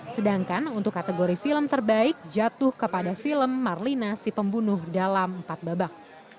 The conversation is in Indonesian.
sedangkan untuk kategori film terbaik jatuh kepada film marlina si pembunuh dalam empat babak